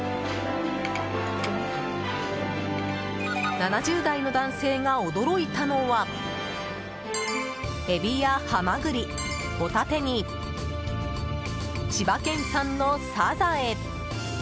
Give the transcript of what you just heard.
７０代の男性が驚いたのはエビやハマグリ、ホタテに千葉県産のサザエ。